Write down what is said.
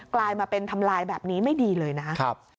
กลายมาเป็นทำลายแบบนี้ไม่ดีเลยนะครับ